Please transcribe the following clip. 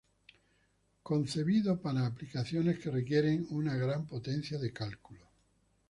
Concebido para aplicaciones que requieren una gran potencia de cálculo.